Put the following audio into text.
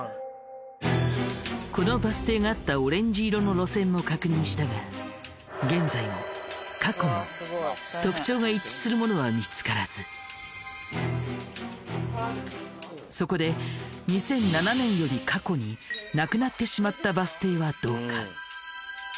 このバス停があったオレンジ色の路線も確認したが現在も過去もそこで２００７年より過去になくなってしまったバス停はどうか？